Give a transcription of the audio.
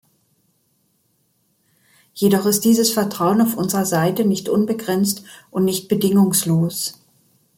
Jedoch ist dieses Vertrauen auf unserer Seite nicht unbegrenzt und nicht bedingungslos.